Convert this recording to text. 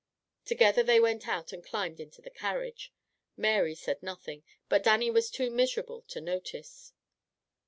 Together they went out and climbed into the carriage. Mary said nothing, but Dannie was too miserable to notice.